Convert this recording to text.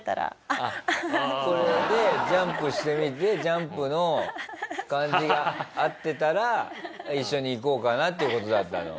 あっこれでジャンプしてみてジャンプの感じが合ってたら一緒に行こうかなっていう事だったの？